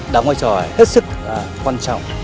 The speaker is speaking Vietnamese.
đóng ngoại trò hết sức quan trọng